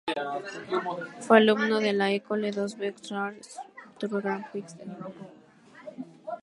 Fue alumno de la École des Beaux-Arts y obtuvo el Gran Prix de Roma.